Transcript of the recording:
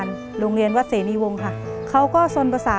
เปลี่ยนเพลงเพลงเก่งของคุณและข้ามผิดได้๑คำ